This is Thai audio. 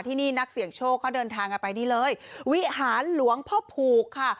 ที่นี่นักเสี่ยงโชคเขาเดินทางกันไปนี่เลยวิหารหลวงพ่อผูกค่ะ